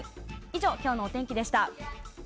以上、今日のお天気でした。